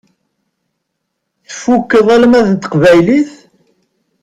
Tfukkeḍ almad n teqbaylit?